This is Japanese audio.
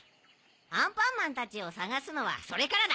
アンパンマンたちをさがすのはそれからだ！